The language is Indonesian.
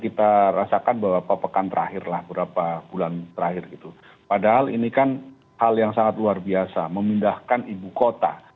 kita rasakan beberapa pekan terakhirlah beberapa bulan terakhir gitu padahal ini kan hal yang sangat luar biasa memindahkan ibu kota